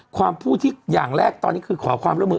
ความพูดที่อย่างแรกตอนนี้คือขอความร่วมมือ